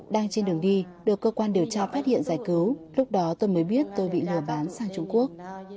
đang trên đường đi được cơ quan điều tra phát hiện giải cứu lúc đó tôi mới biết tôi bị lừa bán sang trung quốc